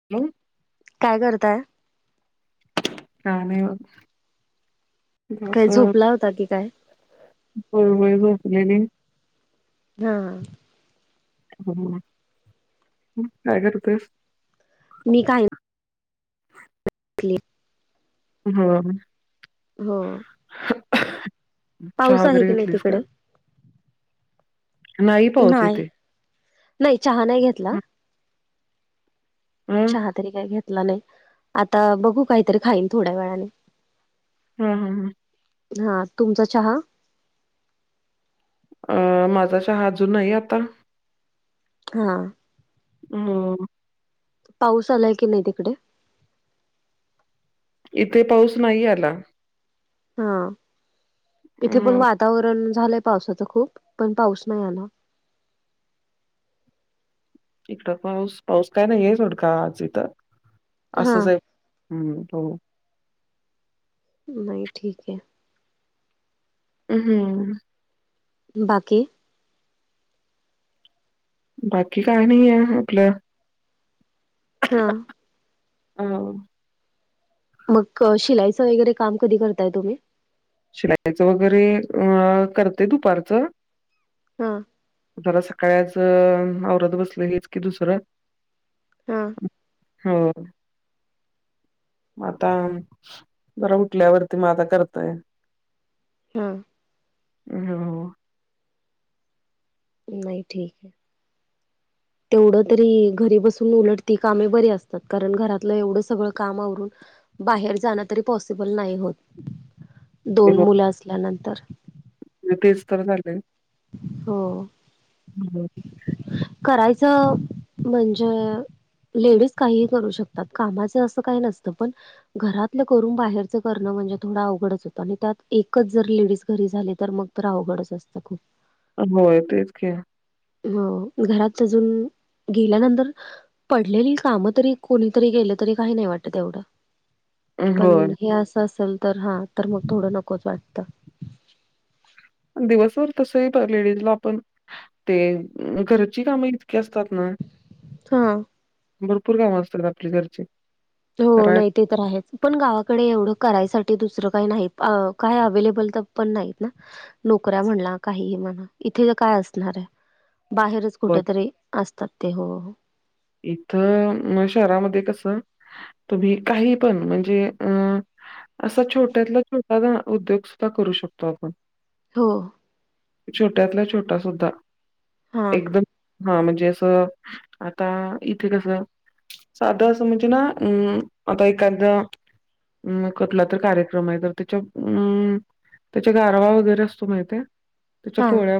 [inaudible] काय करताय काय नही होत तिकडं काय सर झोपला होता की काय हो बाई झोपलेली हां हम्म हं काय करतेस मी काय क्ले [unintelligible] हो चहा पाऊस आहे वगैरे की नाही घेतलीस तिकडे का? नाही पाऊस इथे नही चहा नाही घेतला हं चहा तरी काही घेतला नाही आता बघू काही तरी खाईन थोड्या वेळाने हा हा हा हा तुमचा चहा अ माझा चहा अजून नाही आता हा मो पाऊस आलाय की नाही तिकडे इथे पाऊस नाही आला हा इथे पण हो वातावरण झालंय पावसाचं खूप पण पाऊस नाही आला. इकड पाऊस पाऊस काय नाही हे सोड का आज हा असं जर हम्म हो नही ठीक हे ह हम्म बाकी बाकी काय नाही आ हं म्हंटल हं [unintelligible] मग शिलाईचं वगैरे काम कधी करताय तुम्ही शिलायाचं वगैरे अ करते दुपारचं हा जरा सकाळचं आवरात बसलेेली हेच की दुसरं हा हो आता बर उठल्यावरती म आता करतय हं हंम्म नही ठीक हे तेवढं तरी घरी बसून उलट ती कामे बरी असतात कारण घरातलं एवढं सगळं कामवरून बाहेर जाणं तरी पॉसिबल नाही होत दोन मुलं असल्यानंतर मी तेच तर झाले हो बर करायचं म्हणजे लेडीज काहीही करू शक त्यात कामाचं असं काही नसतं पण घरातलं करून बाहेरचं करणं म्हणजे थोडं अवघडच होतं आणि त्यात एकच जर लेडीज घरी झाली तर मग तर अवघडच असतं खूप होय तेच की हं घरात अजून गेल्यानंतर पडलेली कामं तरी कोणीतरी गेलं तरी काही नाही वाटत येवढं पण होय. हे असं असेल तर हा तर मग थोडं नकोच वाटतं. दिवसभर तसही लेडीजला आपण ते घरची कामही असतात ना हा भरपूर कामं असतात आपली घरची तो कराय नाही ते तर आहेचं पण गावाकडे एवढं करायसाठी दुसरं काही नाही काय अवे्लेबल तर पण नाहीत ना नोकऱ्या म्हणला काहीही म्हणा इथे य काय असणार हाय बाहेरच ब कुठंतरी असतात ते हो इथं शहरामध्ये कस तुम्ही काही पण म्हणजे अं असा छोट्यातला छोटा उद्योग सुद्धा करू शकतो आपण हो छोट्यातला छोटा सुद्धा हां एकदम हा म्हणजे असं आता इथे कसं साध असं म्हणजे ना अं आता एकांद्रा म कुठलातर कार्यक्रम हाय तर त्याच्यात अम्म त्याच्या गारवा वगैरे असतो माहित आहे त्याच्या पोळ्या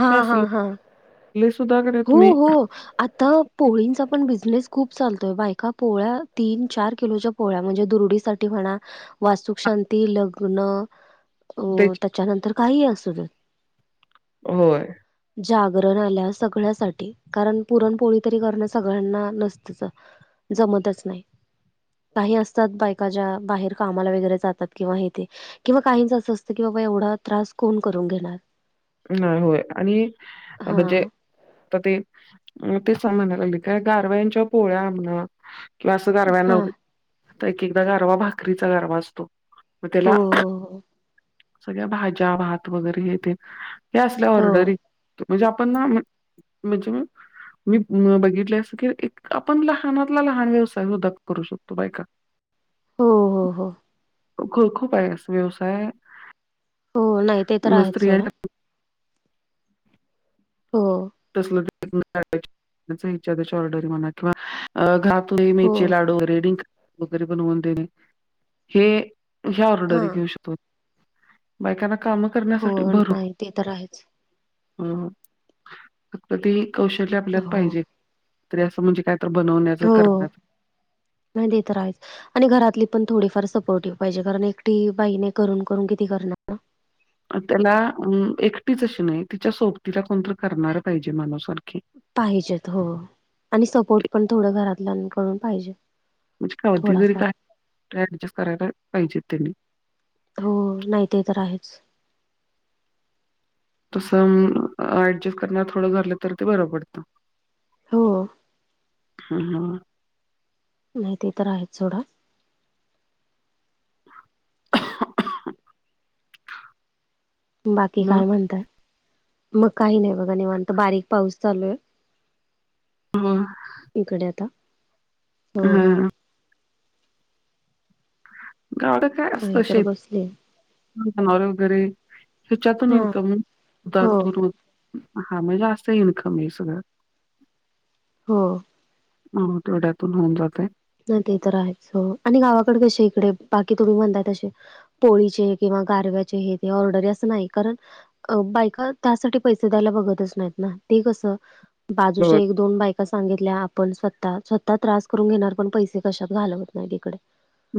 हा हा हा ले सुद्धा घरातनी आता पोळींचा पण बिझनेस खूप चालतोय बायका पोळ्या तीन चार किलोच्या पोळ्या म्हणजे दुरुडीसाठी म्हणा वास्तुक शांती, लग्न अ त्याची त्याच्यानंतर काहीही असु दे. होय जागरण आल्यास सगळ्यासाठी कारण पुरणपोळी तरी करणं सगळ्यांना नसतच जमतच नाही. काही असतात बायका ज्या बाहेर कामाला वगैरे जातात किंवा इथे किंवा काहिंचं असं असतं की बाबा एवढा त्रास कोण करून घेणार? नाही होय आणि म्हणजे हा आता ते ते म्हणालागले का गारव्यांच्या पोळ्या म्हणा किंवा असं गारव्याना हा वै एक एकदा गारवा भाकरीचा गारवा असतो. मग हो त्याला सगळ्या भाज्या भात वगैरे हे ते हे असल्या हो हो ऑर्डरी म्हणजे आपण ना म्हणजे मी बघितले अस की इतका पण लहानातला लहान व्यवसाय सुधा करू शकतो बायका हो हो हो ख खूप हाय अस व्यवसाय हो नाही ते तर न आहेचं स्त्रिया सोडा हो [inaudible] [unintelligible] ऑर्डर म्हणा किंवा घ हे हो मिरचे लाडू रेडिंक वगैरे बनवून देणे हे [unintelligible] ह्या हा ऑर्डर घेऊ शकतो. बायकांना कामं हो करण्यासाठी बरू.. नाही ते तर आहेच फक्तं ते कौशल्य आपल्यात हो पाहिजे. तरी असं म्हणजे स्त्रिया काय. तर् बनवण्याचं हो करण्यात नाही देत राहांज. [inaudible] आणि घरातली पणं थोडीफार सपोर्टिव्ह पाहिजे. कारण एकटी बाईने करून- करून किती? करणारं. त्याला अं एकटीचं अशी नाही. तिच्या सोबतीला कोणत करणारं. पाहिजे मानासारखी पाहिजेतं होंव आणि सपोर्ट पण थोडं घरातल्याकडून पाहिजे. म्हणजे कावधी जरी थोडाफार. काय? ऍडजस्ट करायला पाहिजेत त्यांनी होऔ नाही ते तर् आहेचं. तसं ऍजैैस्ट करणार थोडं झालं, तर् ते बरं पडतं. होंव. हां- हां- नाही ते तर् आहेत सथोडां. बाकी मग काय? म्हणतात. मग काही नाही, बघा नाही म्हणत बारीक पाऊस. चालूयं. हम्मं. इकडे येता आता. हो हंअ -हंअ. गाडं काय? नाही असतं तर बसले. शेतं जनावर वगैरे. हीच्यातून हा इंन्नका माग हो तू हां म्हणजे असत. इन्कम हे सगळं होंव. होंव तेवढ्यातून होऊन जाते. हं ते तर् राहायचो हे. आणि गावाकडे कसे इकडे बाकी तुम्ही म्हणताय तसे. पोळीचे किंवा गारव्याचे, हे ते ऑर्डर असं नाही करत. अ बायका त्यासाठी पैसे द्यायला बघतचं नाहीत नां ते कसं बाजूच्या होय. एक-दोन बायका सांगितल्या, आपण स्वतः -स्वतः त्रास करून घेणार. पण पैसे कशात घालवत नाही,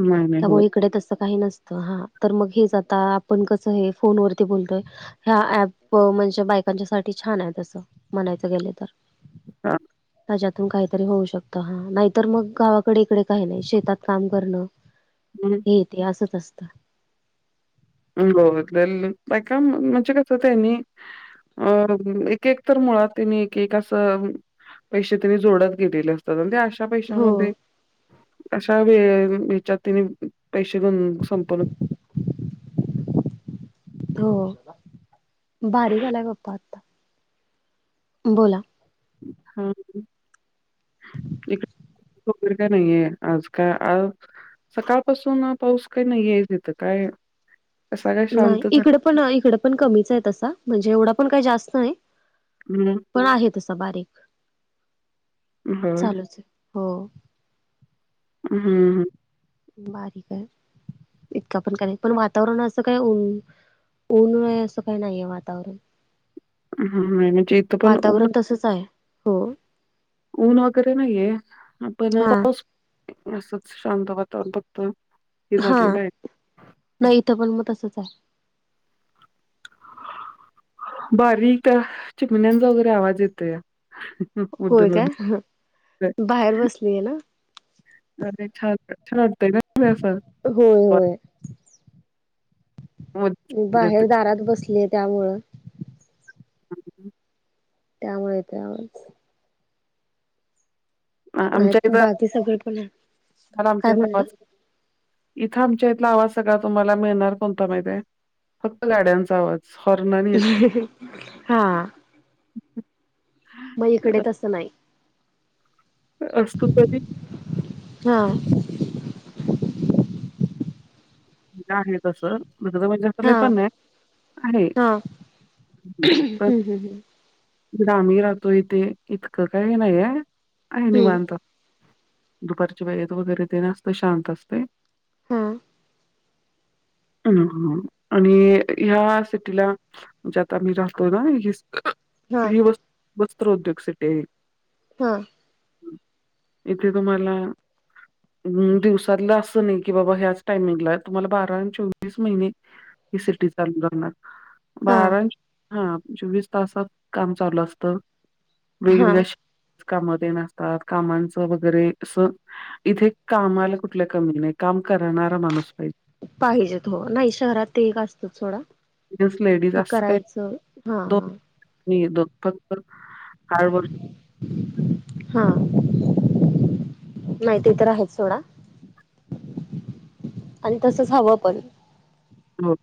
नाही, नाही. होय. त्यामुळे इकडे तसं काही नसते. हां तर् मग हेंच आता आपण कसं हें फोन वरती बोलतोय.. ह्या ॲप म्हणजे बायकांच्या साठी छान! आहेत तसं म्हणायचं गेलं तर् हांअ. त्याच्यातून काहीतरी होऊ शकत, हां तर् मग इकडे काही नाही शेतात काम करणं. हूम्ं. ते इतिहास येते असच असतं. [unintelligible] गलऐका बायका न म्हणजे कसं? होत आहे तयानी. अं एक - एक तर मुळात त्यांनी एक- एक असं. पैसे त्यांने जोडतं गेलेले असतात. आणि ते अशा हो पैशामध्ये. अशा वेळे तिने पैसे घेवून संपून. होंव बारीक आलायं गप्पा आतां. बोलाअंं. हाओ. [inaudible] खबर कायं नाहीये आज का? आज. सकाळपासून पाऊस काही नाही आहे, तिथं काय? असा काय नाहीं शांत झाला इकडे पण इकडं पण कमीचं आहे. तसा म्हणजे एवढा पण काही जास्त नाही. हम्म. पण आहे तसा बारीक होय. चालूच हो. हम्म हम्म. बारीकय इतका पण काय नाय पण वातावरण असं काय उ ऊन आहे असं काय नाहीय वातावरण. हं, नाही म्हणजे इथं पण ऊन वातावरण तसच आहे हो. ऊन वगैरे नाहीये आ पण हा पाऊस असच शांत वातावरण फक्त. हे हा झालेलं आहे. नाही इथं पण मग तसच हाय. बारीक त्या चिकमिनंचा वगैरे आवाज येतो या. होय का बाहेर बसलीय ना. अरे छान छान वाटतय न. होय होय. बाहेर दारात बसलीय त्यामुळं. त्यामुळे येतय आवाज. आमच्या इथं बाकी सगळे पण आहे काय म्हणलं [unintelligible] इथं आमच्या इथला आवाज सगळा तुम्हाला मिळणार कोणता माहितय? फक्त गाड्यांचा आवाज. आणि याचा. हां. मग इकडे तंस नाय. असतो कधी? हां. आहे तसं इकड म्हणजे हा पणय आहे हा प हम्म हम्म इकड आम्ही राहतो इथे इतकं काही नाहीये. आहे हम्म निवांत दुपारची वेळेत वगैरे तेन असतय शांत असतय. हम्म. हम्म हम्म आणि ह्या सिटीला म्हणजे आता आम्ही राहतोय ना ह हा हि वस्त्रोद्योग सिटिय ही. हम्म. इथे तुम्हाला दिवसातलं असं नाही की बाबा ह्याच टायमिंगला तुम्हाला बारा आणि चोवीस महिने ही सिटी चालू राहणार. हा बारा हा चोवीस तासात काम चालू असत. हा वेगवेगळ्या काम न ते असतात कामांचं वगैरे अस इथे कामाला कुठल्या कमी नाही काम करणारा माणूस पाहिजे. पाहिजेत हो नाही शहरात ते एक असतंच सोडा. मीन्स लेडीज ती असं काही करायचं हा दोन हा. [unintelligible] [unintelligible] हां. माहिती तर आहेच सोडा. आणि तसच हवं पण. हो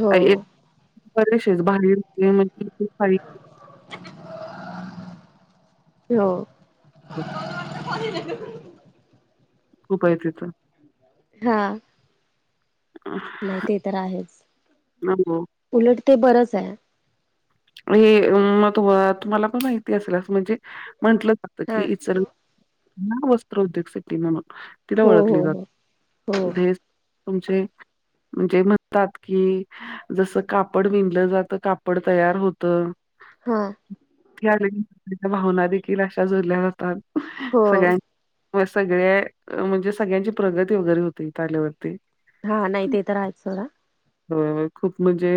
हो [unintelligible] हो. [unintelligible] [unintelligible] खूप आहे तिथं हा नाही ते तर आहेच हो. उलट ते बरंच हाय म हे म तू तूम्हाला पण माहिती असल म्हणजे म्हंटलं म्हटलं की हा इचलकरांची वस्त्र उद्योग सिटी म्हणून तिला हो ओळखली हो हो जाते हो इथेच तुमचे म्हणजे म्हणतात की जस कापड विणलं जात कापड तयार होत होत हा इथे आलं की तुमच्या भावना देखील आशा जोडल्या जातात हो सगळ्यां म सगळ्या म्हणजे सगळ्यांची प्रगती वगैरे होते इथे आल्यावरती हा नाही ते तर आहेत सोडा व्हय व्हय खूप म्हणजे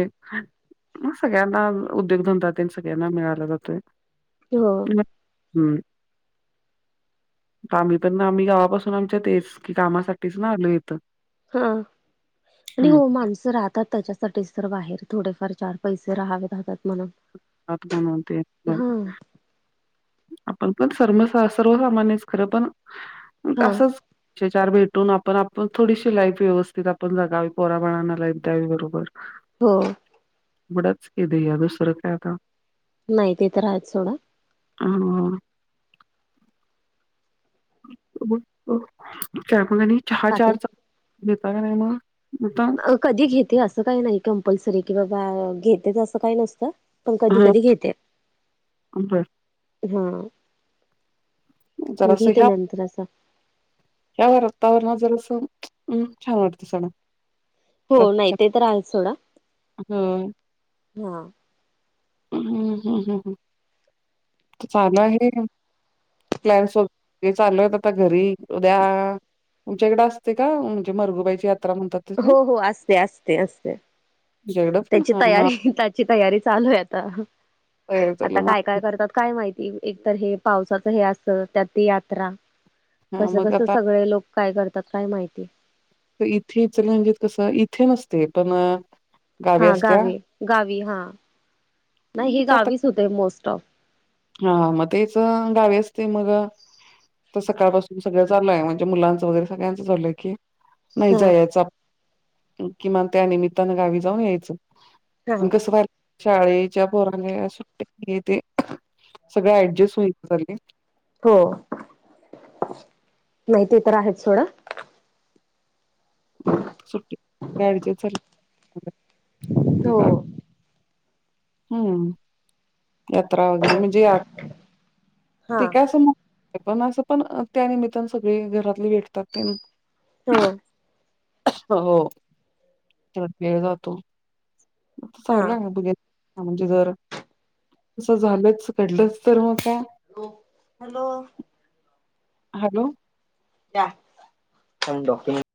म सगळ्यांना. उद्योगधंदा त्येन सगळ्यांना मिळाला जातोय हो म हम आम्ही पण ना आम्ही गावा पासून आमच्यात तेच कामासाठीच ना आलोय इथ हा आणि हो माणसं राहतात. त्याच्यासाठीच तर बाहेर थोडेफार चार पैसे राहावेत हातात म्हणून हात म्हणून तेन पण हा [unintelligible] आपण पण सर्व सर्वसामान्यच खरं पण हा असंच पैसे चार भेटून आपण आपण थोडीशी लाईफ व्यवस्थित आपण जगावी पोराबाळांना लाईफ द्यावी बरोबर होय थोडाच केलया दुसरं काय? आता नाही ते तर आहेच सोडा हा हा बघतो? पण चहा बाकी चारचा घेताला कनय म अ कधी घेते असं काय नाही कंपल्सरी की बाबा घेतेच. असं काही नसतं पण कधी हा कधी घेते. बर हा जरास घेते घ्या नंतर असं ह्या वातावरणात जरस छान वाटत सगळ हो नाही ते तर आहेच. सोडा होय. हा हम हम हम [inaudible] चालू आहे का प्लॅन्स सगळी चालूयत आता घरी उद्या.. तुमच्या इकड असते का? म्हणजे मरघुबाईची यात्रा म्हणतात. तसे हो हो असते. असते. असते. तुमच्या इकडं पण त्याची हा मग तयारी त्याची तयारी चालू हाय तयारी चालू आता आहे. काय? काय करतात काय माहिती एकतर हे पावसाच हे अस त्यात ते यात्रा हा कसं मग कसं आता सगळे लोक.. काय? करतात काय? माहिती तर इथे इचलकरंजीत कसं इथे नसतय पण. हा गावी. गावी हा नाही हे गावीच होतय. मोस्ट ऑफ हा म तेच गावी असतय. मग तर सकाळपासून सगळं चालूय म्हणजे मुलांनाच वगैरे सगळ्यांचं चालूय की नाही हा जायाचं किमान त्यानिमित्तानं गावी जाऊन हा यायचं कसं [unintelligible] शाळेच्या पोरांनी सुट्ट्या [unintelligible] ये तेे. सगळं ऍडजस्ट होई [unintelligible] हो, माहिती तर आहेत सोडा. सुट्टी ऍडजस्ट झाल [unintelligible] हो. हम्म, यात्रा वगैरे, म्हणजे हा ते काय? अस मग पण असं पण त्या निमित्तान सगळे घरातले भेटतात ते न. हो हो, त्यात वेळ जातो. हा चालूय ना [unintelligible] म्हणजे [unintelligible] तसं झालंच, घडलंच तर मग काय? हॅलो. हॅलो. [unintelligible]